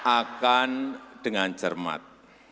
akan dengan cermat